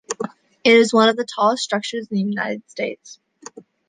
It is one of the tallest structures in the United States.